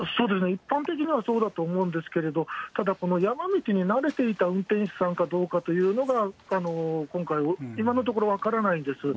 一般的にはそうだと思うんですけれど、ただ、この山道に慣れていた運転手さんかどうかというのが、今回、今のところ分からないんです。